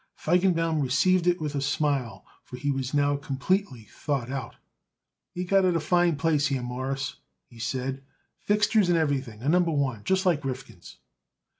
Feigenbaum received it with a smile, for he was now completely thawed out. "You got a fine place here, Mawruss," he said. "Fixtures and everything A Number One, just like Rifkin's."